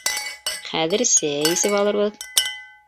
Хәҙер сәй эсеп алырбыҙ.